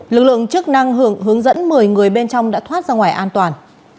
lực lượng chức năng hướng dẫn một mươi người bên trong đã thoát ra ngoài an toàn